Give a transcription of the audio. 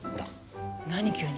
何急に？